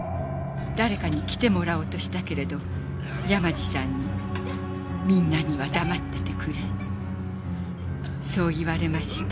誰かに来てもらおうとしたけれど山路さんにみんなには黙っててくれそう言われました。